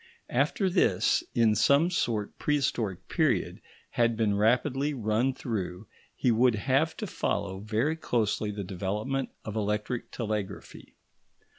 After this in some sort prehistoric period had been rapidly run through, he would have to follow very closely the development of electric telegraphy.